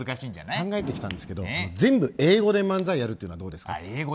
考えてきたんですけど全部英語で漫才やるのはどうですか。